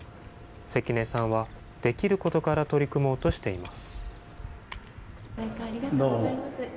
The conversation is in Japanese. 関根さんはできることから取り組もうとしています。